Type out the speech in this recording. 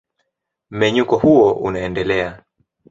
Mmenyuko huo unaendelea.